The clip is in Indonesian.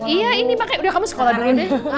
iya ini pake udah kamu sekolah dulu ya